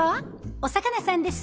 お魚さんです。